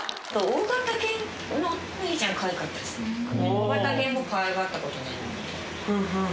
大型犬僕かわいがったことないので。